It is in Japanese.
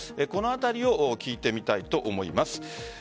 このあたりを聞いてみたいと思います。